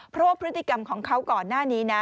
เพราะว่าพฤติกรรมของเขาก่อนหน้านี้นะ